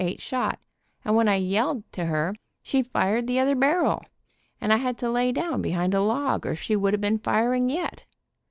8 shot, and when I yelled to her she fired the other barrel and I had to lay down behind a log or she would have been firing yet.